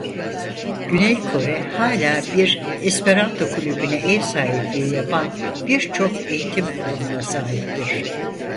Güney Kore hala bir Esperanto kulübüne ev sahipliği yapan birçok eğitim kurumuna sahiptir.